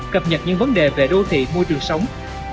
cập nhật những vấn đề về đô thị môi trường sống